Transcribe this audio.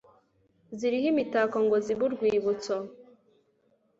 ziriho imitako ngo zibe urwibutso